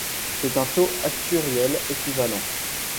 C'est un taux actuariel équivalent.